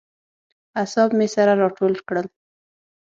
اعصاب مې سره راټول کړل.